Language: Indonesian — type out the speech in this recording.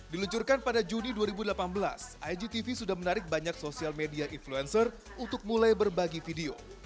diluncurkan pada juni dua ribu delapan belas igtv sudah menarik banyak sosial media influencer untuk mulai berbagi video